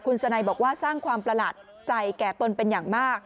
คุณสนัยบอกว่าสร้างความประหลาดใจแก่ตนเป็นอย่างมาก